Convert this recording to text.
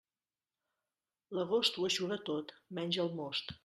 L'agost ho eixuga tot, menys el most.